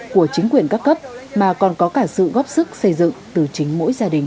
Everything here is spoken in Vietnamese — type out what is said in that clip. của chính quyền các cấp mà còn có cả sự góp sức xây dựng từ chính mỗi gia đình